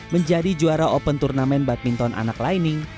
menjadi juara open turnamen badminton anak lining